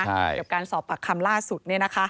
เกี่ยวกับการสอบปากคำล่าสุด